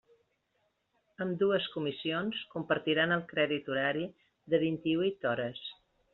Ambdues comissions compartiran el crèdit horari de vint-i-huit hores.